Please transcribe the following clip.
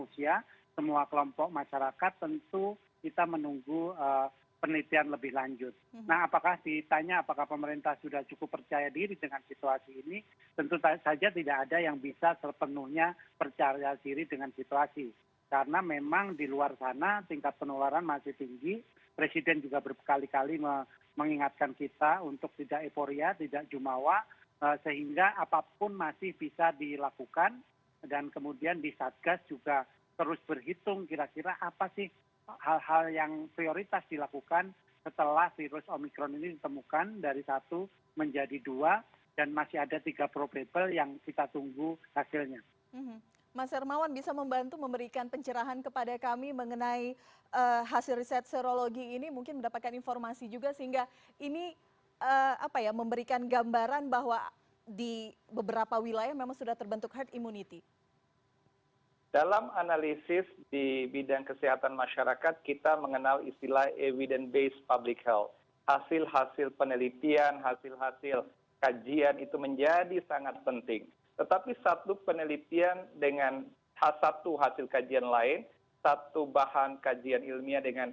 sangat penting tetapi satu penelitian dengan satu hasil kajian lain satu bahan kajian ilmiah dengan